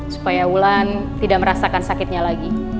supaya wulan tidak merasakan sakitnya lagi